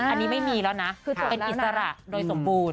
อันนี้ไม่มีแล้วนะเป็นอิสระโดยสมบูรณ